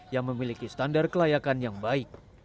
yang memiliki standar kelayakan yang baik